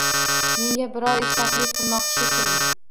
Menga biror ish taklif qilmoqchi shekilli